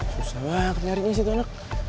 susah banget nyari kisah tuh anak